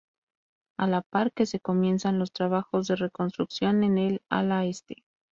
A la par que se comienzan los trabajos de reconstrucción en el ala este.